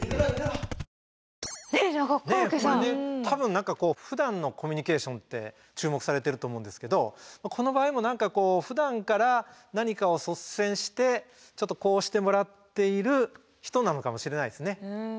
多分ふだんのコミュニケーションって注目されていると思うんですけどこの場合も何かこうふだんから何かを率先してちょっとこうしてもらっている人なのかもしれないですね。